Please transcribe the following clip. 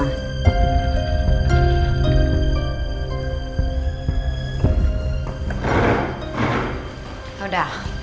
udah kalau gitu kita ke sana